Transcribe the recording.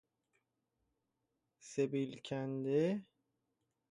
سبیل کنده